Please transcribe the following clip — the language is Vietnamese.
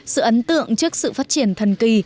sự ấn tượng trước sự phát triển thần kỳ